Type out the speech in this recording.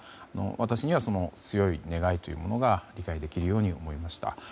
私には、その強い願いが理解できるように思いました。